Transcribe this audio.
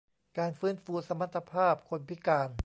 การฟื้นฟูสมรรถภาพคนพิการ